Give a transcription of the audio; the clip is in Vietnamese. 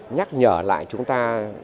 nhắc nhở lại chúng ta